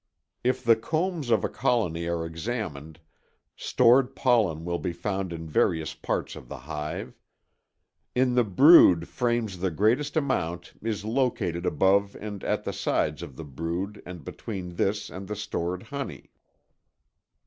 If the combs of a colony are examined, stored pollen will be found in various parts of the hive. In the brood frames the greatest amount is located above and at the sides of the brood and between this and the stored honey.